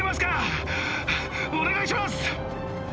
お願いします。